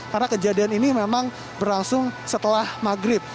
karena kejadian ini memang berlangsung setelah maghrib